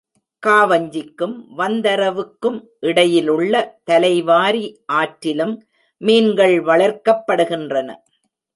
காவஞ்சிக்கும், வந்தரவு க்கும் இடையிலுள்ள தலைவாரி ஆற்றிலும் மீன்கள் வளர்க்கப்படுகின்றன.